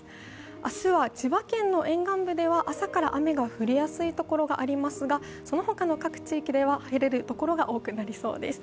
明日は千葉県の沿岸部では朝から雨が降りやすいところがありますがその他の各地域では晴れるところが多くなりそうです。